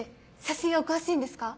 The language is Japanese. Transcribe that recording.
写真お詳しいんですか？